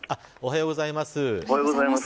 おはようございます。